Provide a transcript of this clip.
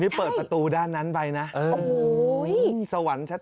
นี่เปิดประตูด้านนั้นไปนะโอ้โหสวรรค์ชัด